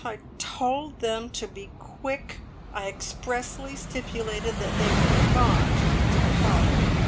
I told them to be quick. I expressly stipulated that they were not to potter."